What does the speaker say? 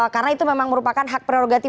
karena itu memang merupakan hak prerogatif